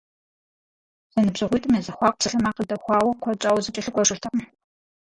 Зэныбжьэгъуитӏым я зэхуаку псалъэмакъ къыдэхуауэ, куэд щӏауэ зэкӏэлъыкӏуэжыртэкъым.